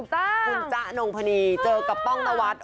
ถูกต้องคุณจ๊ะหนงพนีเจอกับป้องตะวัด